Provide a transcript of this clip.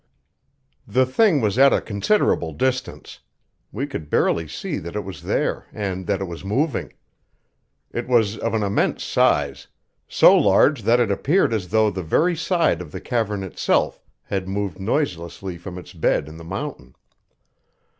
The thing was at a considerable distance; we could barely see that it was there and that it was moving. It was of an immense size; so large that it appeared as though the very side of the cavern itself had moved noiselessly from its bed in the mountain.